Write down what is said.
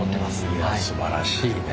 いやすばらしいね。